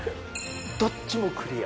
どっちもクリア。